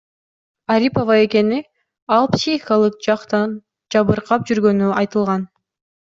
Арипова экени, ал психикалык жактан жабыркап жүргөнү айтылган.